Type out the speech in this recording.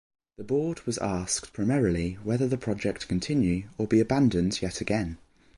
The Board was asked primarily whether the project continue or be abandoned yet again.